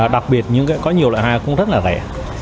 đặc biệt có nhiều loại hoa cũng rất là rẻ